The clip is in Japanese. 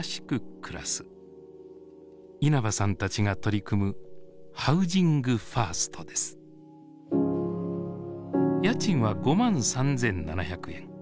稲葉さんたちが取り組む家賃は５万３，７００円。